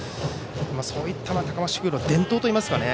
そういった高松商業の伝統といいますかね。